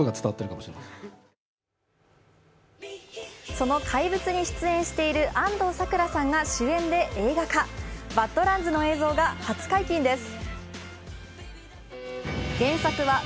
その「怪物」に出演している安藤サクラさんが主演で映画化、「バッド・ランズ」の映像が初解禁です。